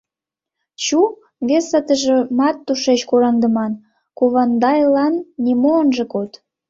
Чу, вес атыжымат тушеч кораҥдыман, кувандайлан нимо ынже код.